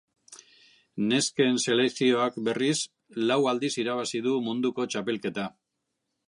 Nesken selekzioak berriz lau aldiz irabazi du Munduko Txapelketa.